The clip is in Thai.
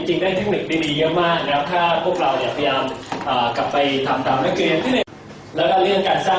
คนที่เราทรงใจมากเท่าไร